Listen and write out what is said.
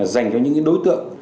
dành cho những đối tượng